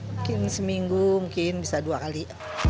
mungkin seminggu mungkin bisa dua kali